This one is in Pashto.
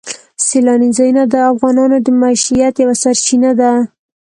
سیلاني ځایونه د افغانانو د معیشت یوه سرچینه ده.